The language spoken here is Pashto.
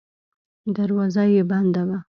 دروازه یې بنده وه.